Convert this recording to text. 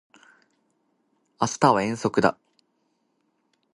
明日は遠足だ